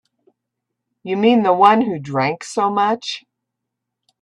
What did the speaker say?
You mean the one who drank so much?